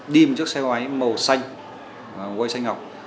đi một chiếc xe máy màu xanh way xanh ngọc